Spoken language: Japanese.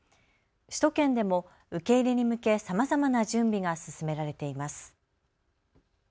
首都圏でも受け入れに向けさまざまな準備が進められています。